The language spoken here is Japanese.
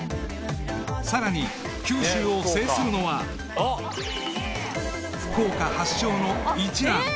［さらに九州を制するのは福岡発祥の一蘭］